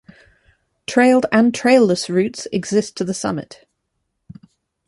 Trailed and trailless routes exist to the summit.